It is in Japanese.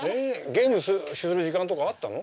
ゲームする時間とかあったの？